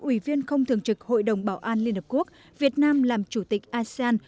ủy viên không thường trực hội đồng bảo an liên hợp quốc việt nam làm chủ tịch asean